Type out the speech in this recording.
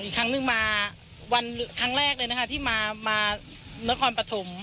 มานะครปฐมวันทางแรกเลยนะคะ